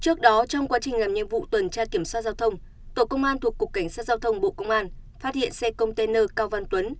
trước đó trong quá trình làm nhiệm vụ tuần tra kiểm soát giao thông tổ công an thuộc cục cảnh sát giao thông bộ công an phát hiện xe container cao văn tuấn